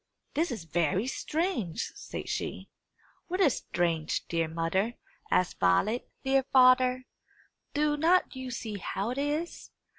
"This is very strange!" said she. "What is strange, dear mother?" asked Violet. "Dear father, do not you see how it is?